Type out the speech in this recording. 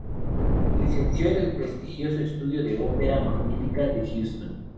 Se licenció en el prestigioso Estudio de Ópera Magnífica de Houston.